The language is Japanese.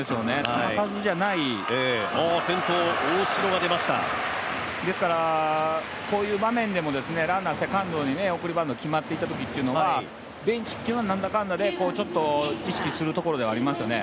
球数じゃない、ですからこういう場面でもランナーセカンドに、送りバント決まっていたっていうのはベンチっていうのはなんだかんだで意識するところではありますね。